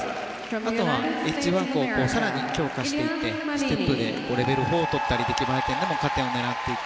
あとはエッジワークを更に強化していってステップでレベル４を取ったり出来栄えでも加点を狙っていく。